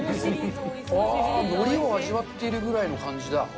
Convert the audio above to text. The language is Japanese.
ああ、のりを味わっているぐらいの感じだ。